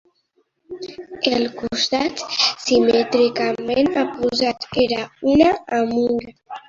El costat simètricament oposat era una amura.